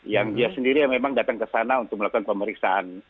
yang dia sendiri memang datang kesana untuk melakukan pemeriksaan